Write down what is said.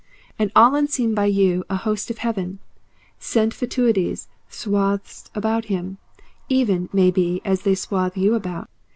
And all unseen by you a host of heaven sent fatuities swathes him about, even, maybe, as they swathe you about.